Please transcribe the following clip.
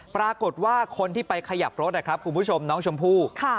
ปรากฏว่าคนที่ไปขยับรถนะครับคุณผู้ชมน้องชมพู่